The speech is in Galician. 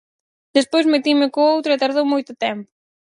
Despois metinme co outro e tardou moito tempo.